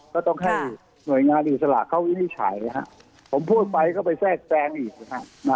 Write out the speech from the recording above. ก็ต้องให้หน่วยงานอิสระเข้าวิธีไทยฮะผมพูดไปเข้าไปแซ่งแรงอีกภัด